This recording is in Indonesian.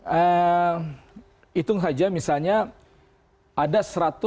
hitung saja misalnya ada seratus seratus enam puluh lima